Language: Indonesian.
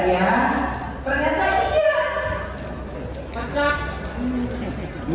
nah apakah kemudian kalau seperti itu hati kita gampang